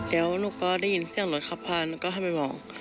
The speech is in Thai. แล้วนุ๊กก็ได้ยินเสียงรถขับผ่านนุ๊กก็ให้ไปมอง